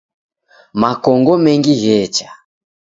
Makongo mengi ghecha.